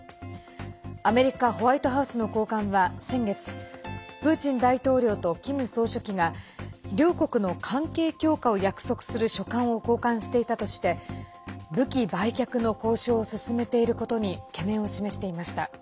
アメリカ・ホワイトハウスの高官は先月プーチン大統領とキム総書記が両国の関係強化を約束する書簡を交換していたとして武器売却の交渉を進めていることに懸念を示していました。